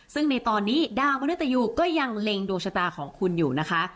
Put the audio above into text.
ซึ่งในตอนนี้ดาวมนุษยูก็ยังเล็งดวงชะตาของคุณอยู่นะคะ